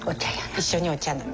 一緒にお茶飲む。